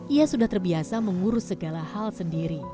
ia sudah terbiasa mengurus segala hal sendiri